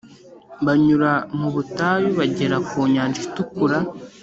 banyura mu butayu bagera ku Nyanja Itukura